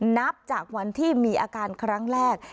นับจากวันที่มีอาการครั้งแรก